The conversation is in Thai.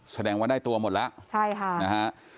แสดงว่าได้ตัวหมดแล้วใช่ค่ะนะฮะ